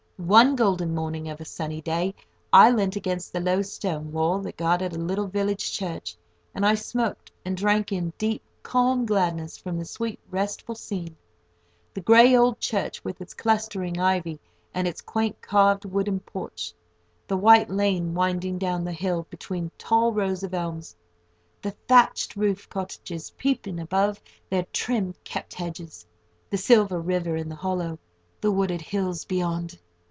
One golden morning of a sunny day, I leant against the low stone wall that guarded a little village church, and I smoked, and drank in deep, calm gladness from the sweet, restful scene—the grey old church with its clustering ivy and its quaint carved wooden porch, the white lane winding down the hill between tall rows of elms, the thatched roof cottages peeping above their trim kept hedges, the silver river in the hollow, the wooded hills beyond!